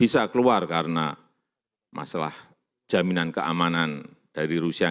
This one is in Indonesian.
bisa keluar karena masalah jaminan keamanan dari rusia